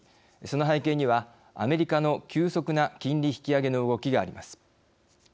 その背景にはアメリカの急速な金利引き上げの動きがあります。